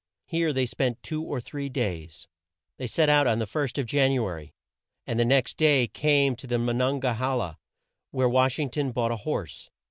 Here they spent two or three days. They set out on the first of Jan u a ry, and the next day came to Mon on ga he la, where Wash ing ton bought a horse.